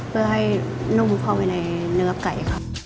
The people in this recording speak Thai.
เพื่อให้นุ่มเข้าไปในเนื้อไก่ครับ